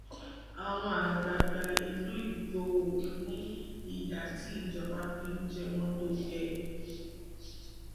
Àwọn àgbààgbà ilú Ìgbòho ní ìyà tí ìjọba fi ń jẹ wọ́n tó gẹ́.